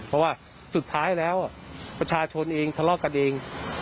เพราะว่าสุดท้ายแล้วประชาชนเองทะเลาะกันเอง